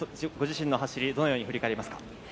ご自身の走り、どのように振り返りますか？